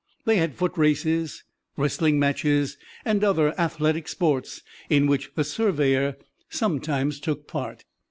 They had foot races, wrestling matches and other athletic sports, in which the surveyor sometimes took part.